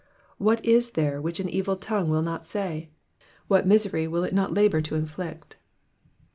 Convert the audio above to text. What is there which an evil tongue will not say ? What misery will it not labour to inflict?